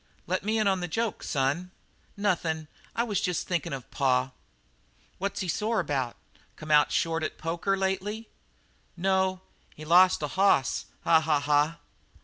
"Let me in on the joke, son." "Nothin'. I was just thinkin' of pa." "What's he sore about? Come out short at poker lately?" "No; he lost a hoss. Ha, ha, ha!"